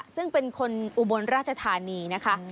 ซึ่งเป็นคนอุบลราชธานีนะคะ